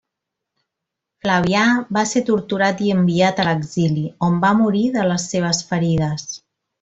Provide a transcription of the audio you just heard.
Flavià va ser torturat i enviat a l'exili, on va morir de les seves ferides.